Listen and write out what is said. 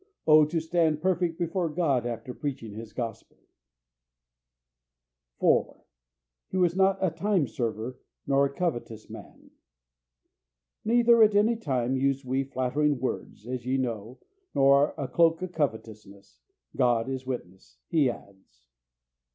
Oh, to stand perfect before God after preaching His Gospel! 4. He was not a time server nor a covetous man. "Neither at any time used we flattering words, as ye know, nor a cloak of covetousness; God is witness," he adds.